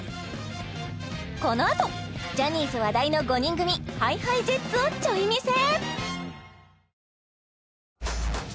このあとジャニーズ話題の５人組ＨｉＨｉＪｅｔｓをちょい見せ！